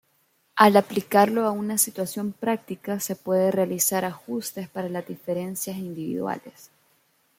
Al aplicarlo a una situación práctica se pueden realizar ajustes para las diferencias individuales.